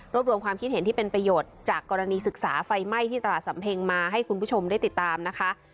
รวมรวมความคิดเห็นที่เป็นประโยชน์จากกรณีศึกษาไฟไหม้ที่ตลาดสำเพ็งมาให้คุณผู้ชมได้ติดตามนะคะ